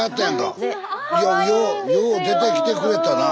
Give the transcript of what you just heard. スタジオよう出てきてくれたなあ。